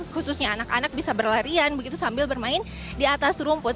khususnya anak anak bisa berlarian begitu sambil bermain di atas rumput